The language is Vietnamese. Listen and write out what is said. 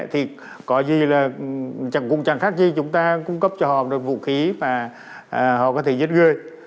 thì có gì là chẳng khác gì chúng ta cung cấp cho họ được vũ khí mà họ có thể giết người